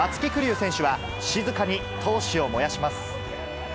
選手は、静かに闘志を燃やします。